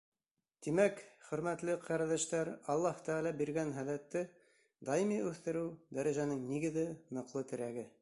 Тимәк, хөрмәтле ҡәрҙәштәр, Аллаһ Тәғәлә биргән һәләтте даими үҫтереү — дәрәжәнең нигеҙе, ныҡлы терәге.